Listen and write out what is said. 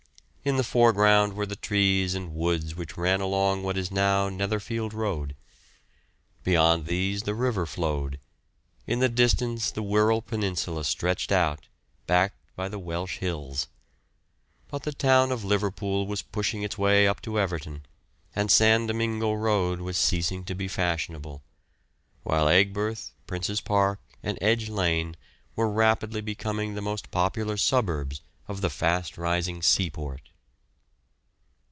In the foreground were the trees and woods which ran along what is now Netherfield Road; beyond these the river flowed; in the distance the Wirral peninsula stretched out, backed by the Welsh hills. But the town of Liverpool was pushing its way up to Everton, and San Domingo Road was ceasing to be fashionable; while Aigburth, Prince's Park, and Edge Lane were rapidly becoming the most popular suburbs of the fast rising seaport.